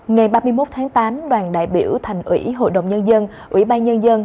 ngày ba mươi một tháng tám đoàn đại biểu thành ủy hội đồng nhân dân ủy ban nhân dân